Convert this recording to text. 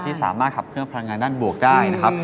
ที่สามารถขับเคลื่อพลังงานด้านบวกได้นะครับ